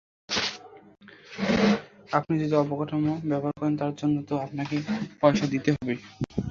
আপনি যদি অবকাঠামো ব্যবহার করেন, তার জন্য তো আপনাকে পয়সা দিতে হবে।